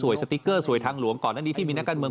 สติ๊กเกอร์สวยทางหลวงก่อนหน้านี้ที่มีนักการเมือง